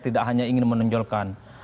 tidak hanya ingin menonjolkan